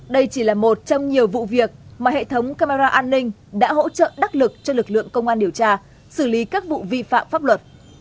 đây chỉ là một trong nhiều vụ việc mà hệ thống camera an ninh đã hỗ trợ đắc lực cho lực lượng công an điều tra xử lý các vụ vi phạm pháp luật